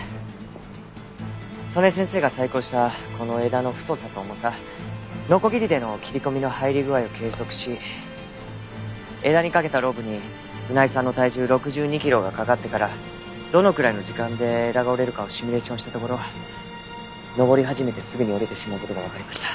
曽根先生が細工をしたこの枝の太さと重さノコギリでの切り込みの入り具合を計測し枝にかけたロープに船井さんの体重６２キロがかかってからどのくらいの時間で枝が折れるかをシミュレーションしたところ登り始めてすぐに折れてしまう事がわかりました。